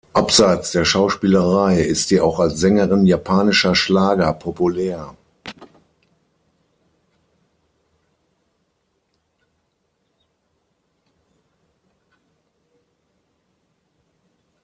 Abseits der Schauspielerei ist sie auch als Sängerin japanischer Schlager populär.